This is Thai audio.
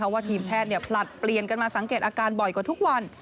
ว่าทีมแพทย์ผลัดเปลี่ยนกันมาสังเกตอาการบ่อยกว่าทุกวัน